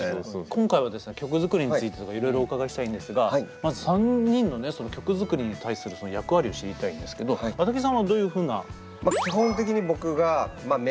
今回はですね曲作りについてとかいろいろお伺いしたいんですがまず３人の曲作りに対する役割を知りたいんですけどａｔａｇｉさんはどういうふうな？